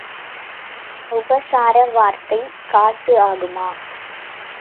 உபசார வார்த்தை காசு ஆகுமா?